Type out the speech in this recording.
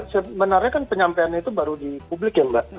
sebenarnya kan penyampaian itu baru di publik ya mbak